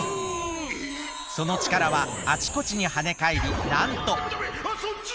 そのちからはあちこちにはねかえりなんと。